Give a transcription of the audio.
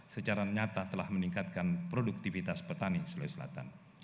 secara nyata telah meningkatkan produktivitas petani sulawesi selatan